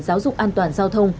giáo dục an toàn giao thông